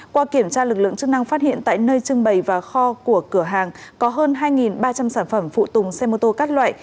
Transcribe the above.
qua kiểm tra lực lượng chức năng phát hiện tại nơi trưng bày và kho của cửa hàng có hơn hai ba trăm linh sản phẩm phụ tùng xe mô tô các loại